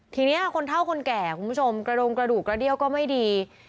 ทีนี้คนเท่าคนแก่คุณผู้ชมกระดงกระดูกกระเดี้ยวก็ไม่ดี